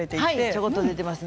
ちょこっと出ています。